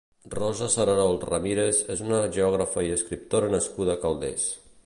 Rosa Cerarols Ramírez és una geògrafa i escriptora nascuda a Calders.